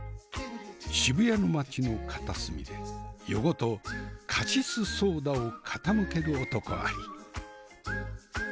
渋谷の街の片隅で夜ごとカシスソーダを傾ける男あり。